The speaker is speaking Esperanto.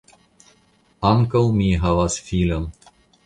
Ankaŭ mi havas filon.